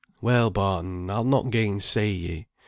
] "Well, Barton, I'll not gainsay ye.